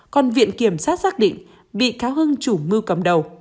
còn viện kiểm sát xác định bị cáo hưng chủ mưu cầm đầu